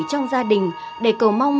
trong gia đình để cầu mong